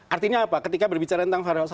artinya apa ketika berbicara tentang